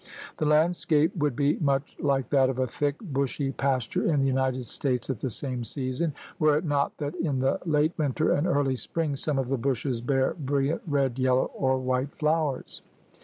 The landscape would be much like that of a thick, bushy pasture in the United States at the same season, were it not that in the late winter and early spring some of the bushes bear brilliant red, yellow, or white flowers.